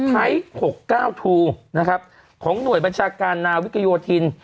ไทย๖๙ทูนะครับของหน่วยบัญชาการนาวิกโยธิน